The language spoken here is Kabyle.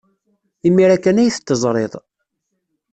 Imir-a kan ay t-teẓriḍ.